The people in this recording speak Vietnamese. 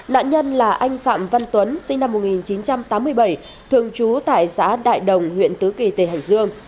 nạn nhân là anh phạm văn tuấn sinh năm một nghìn chín trăm tám mươi bảy thường trú tại xã đại đồng huyện tứ kỳ tỉnh hải dương